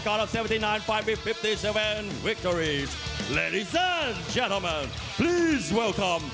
เขาเกี่ยวกับ๗๙ภาคและ๕๗ภาค